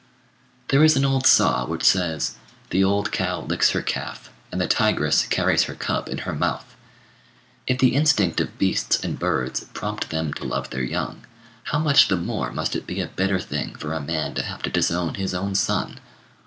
There is an old saw which says, "The old cow licks her calf, and the tigress carries her cub in her mouth." If the instinct of beasts and birds prompt them to love their young, how much the more must it be a bitter thing for a man to have to disown his own son!